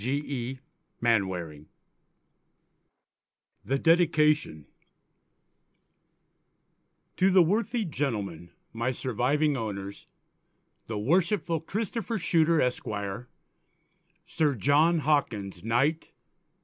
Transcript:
G. E. MANWARING. THE DEDICATION To the Worthy Gentlemen my surviving Owners, the Worshipful Christopher Shuter Esq., Sir John Hawkins _Kt.